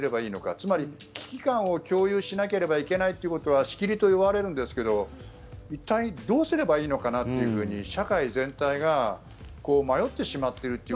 つまり、危機感を共有しなければいけないということはしきりに言われるんですが一体、どうすればいいのかなって社会全体が迷ってしまっているという。